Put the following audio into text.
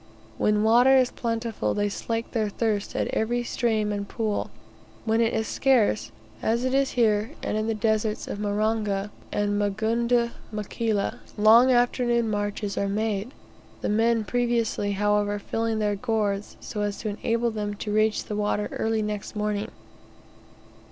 When water is plentiful they slake their thirst at every stream and pool; when it is scarce, as it is here and in the deserts of Marenga and Magunda Mkali, long afternoon marches are made; the men previously, however, filling their gourds, so as to enable them to reach the water early next morning.